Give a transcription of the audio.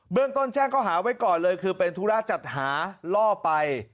เรื่องต้นแจ้งเขาหาไว้ก่อนเลยคือเป็นธุระจัดหาล่อไป